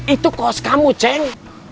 itu kos kamu ceng